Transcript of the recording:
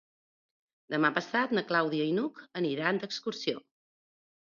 Demà passat na Clàudia i n'Hug aniran d'excursió.